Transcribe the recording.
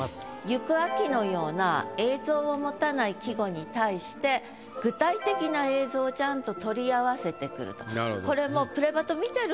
「行く秋」のような映像を持たない季語に対して具体的な映像をちゃんと取り合わせてくると。